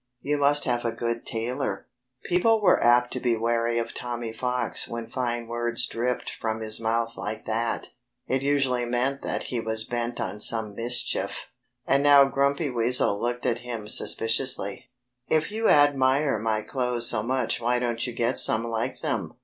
You must have a good tailor." [Illustration: Sandy Chipmunk Runs From Grumpy Weasel. (Page 96)] People were apt to be wary of Tommy Fox when fine words dripped from his mouth like that. It usually meant that he was bent on some mischief. And now Grumpy Weasel looked at him suspiciously. "If you admire my clothes so much why don't you get some like them?"